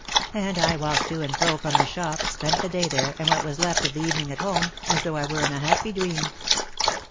And I walked to and from the shop, spent the day there, and what was left of the evening at home, as though I were in a happy dream.